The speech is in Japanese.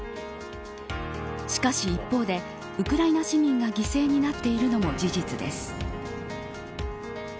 しかし、一方でウクライナ市民が犠牲になっているのも事実です。